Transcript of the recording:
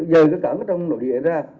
giờ cái cảng trong nội địa ra